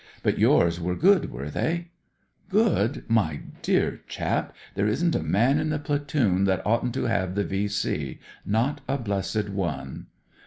But yours were good, were they ?"" Good 1 my dear chap, there isn't a man in the platoon that oughtn't to have the V.C. ; not a blessed one."